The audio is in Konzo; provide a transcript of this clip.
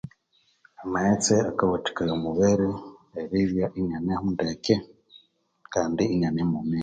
Amaghetsi akawathikaya omubiri eribya inyaneho ndeke kandi inyane mwomezi